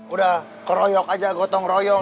udah keroyok aja gotong royong